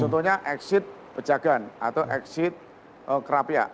contohnya exit pejagan atau exit kerapia